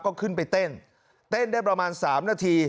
ก็ขึ้นไปเต้นเต้นได้ประมาณ๓นาที